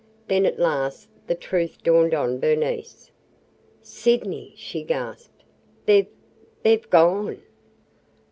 Then at last the truth dawned on Bernice. "Sydney!" she gasped, "they 've – they 've gone!"